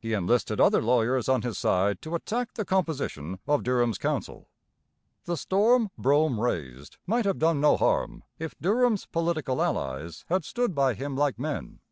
He enlisted other lawyers on his side to attack the composition of Durham's council. The storm Brougham raised might have done no harm, if Durham's political allies had stood by him like men.